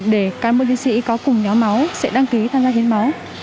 để cán bộ chiến sĩ có cùng nhóm máu sẽ đăng ký tham gia hiến máu